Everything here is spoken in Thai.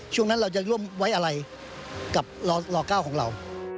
ช่วงนั้นเราจะร่วมไว้อะไรกับล๙ของเรา